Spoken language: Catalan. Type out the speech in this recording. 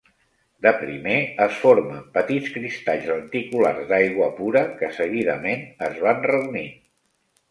De primer es formen petits cristalls lenticulars d'aigua pura, que seguidament es van reunint.